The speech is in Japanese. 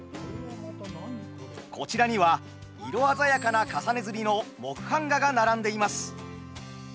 こちらには色鮮やかな重ね刷りの木版画が並んでいます。